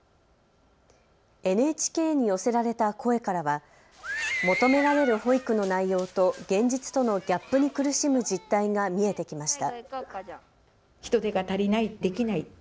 ＮＨＫに寄せられた声からは求められる保育の内容と現実とのギャップに苦しむ実態が見えてきました。